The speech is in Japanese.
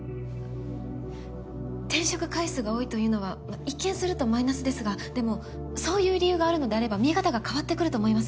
転職回数が多いというのは一見するとマイナスですがでもそういう理由があるのであれば見え方が変わってくると思います。